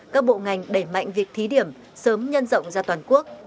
các bộ ngành đẩy mạnh việc thí điểm sớm nhân rộng ra toàn quốc